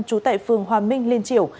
chú tại phường hòa minh liên triều